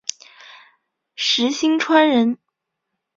石星川人。